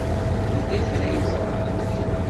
Yella kra ay ẓrant?